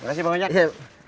makasih bang ojek